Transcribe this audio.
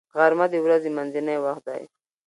غرمه د ورځې منځنی وخت دی